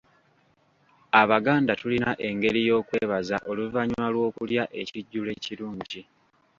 Abaganda tulina engeri y’okwebaza oluvannyuma lw’okulya ekijjulo ekirungi.